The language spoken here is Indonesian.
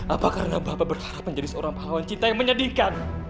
apa karena bapak berharap menjadi seorang pahlawan cinta yang menyedihkan